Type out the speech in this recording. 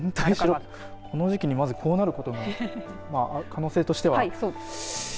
この時期に、まずこうなることが可能性としては。